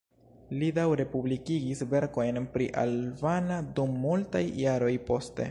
Li daŭre publikigis verkojn pri albana dum multaj jaroj poste.